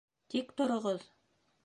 Тик тороғоҙ!